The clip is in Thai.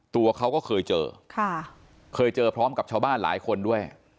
ตัวเขาก็เคยเจอค่ะเคยเจอพร้อมกับชาวบ้านหลายคนด้วย